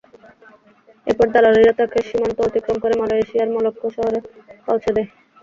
এরপর দালালেরা তাঁকে সীমান্ত অতিক্রম করে মালয়েশিয়ার মালাক্কা শহরে পৌঁছে দেয়।